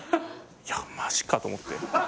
いやマジか！？と思って。